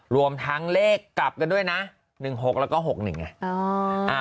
รวมทั้งเลขกลับกันด้วยนะ๑๖แล้วก็๖๑ไง